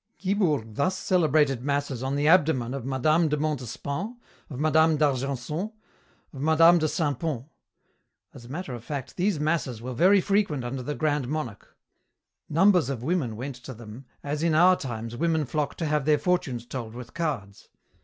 "Guibourg thus celebrated masses on the abdomen of Mme. de Montespan, of Mme. d'Argenson, of Mme. de Saint Pont. As a matter of fact these masses were very frequent under the Grand Monarch. Numbers of women went to them as in our times women flock to have their fortunes told with cards.